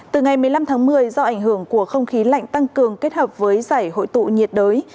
từ ngày một mươi năm tháng một mươi do ảnh hưởng của không khí lạnh tăng cường kết hợp với giải hội tụ nhiệt đới